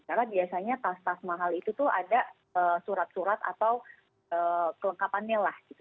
karena biasanya tas tas mahal itu tuh ada surat surat atau kelengkapannya lah